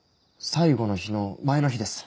最後の日の前の日です。